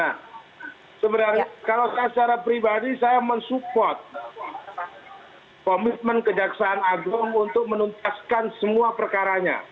nah sebenarnya kalau saya secara pribadi saya mensupport komitmen kejaksaan agung untuk menuntaskan semua perkaranya